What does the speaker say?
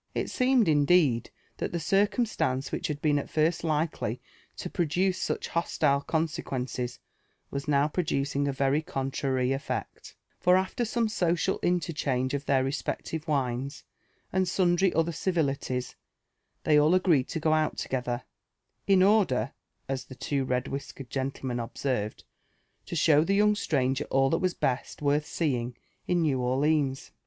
It seemed, indeed, that the circumstance which had been at first likely to produce such hostile consequences was now producing a very contrary eflect ; fur after some social interchange of their respective wines, and sundry other civilities, they all agreed to go out together, in order, as the two red whiskered gentlemen observed, to show the young stranger all that was best worth seeing in New Orleans.